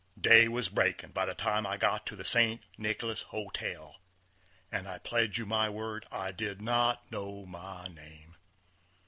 Day was breakin' by the time I got to the St. Nicholas Hotel, and I pledge you my word I did not know my name.